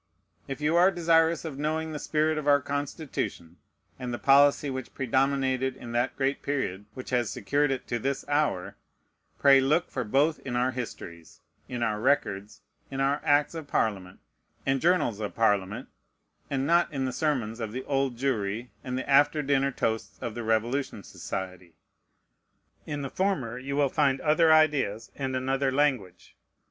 If you are desirous of knowing the spirit of our Constitution, and the policy which predominated in that great period which has secured it to this hour, pray look for both in our histories, in our records, in our acts of Parliament and journals of Parliament, and not in the sermons of the Old Jewry, and the after dinner toasts of the Revolution Society. In the former you will find other ideas and another language.